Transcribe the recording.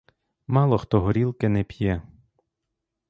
Мало хто горілки не п'є.